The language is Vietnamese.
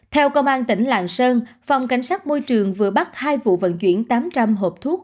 theo công an tỉnh lạng sơn phòng cảnh sát môi trường vừa bắt hai vụ vận chuyển tám trăm linh hộp thuốc